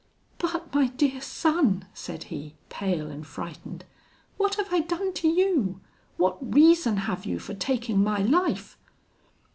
'But, my dear son!' said he, pale and frightened, 'what have I done to you? What reason have you for taking my life?'